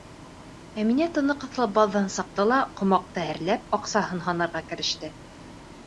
Әминә тыны ҡыҫылып баҙҙан сыҡты ла, ҡомаҡты әрләп, аҡсаһын һанарға кереште.